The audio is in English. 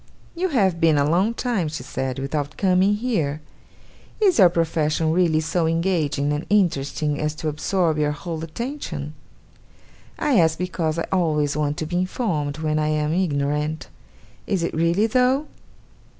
'You have been a long time,' she said, 'without coming here. Is your profession really so engaging and interesting as to absorb your whole attention? I ask because I always want to be informed, when I am ignorant. Is it really, though?